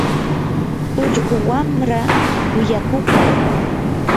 ullqu wamraa kuyakuqmi.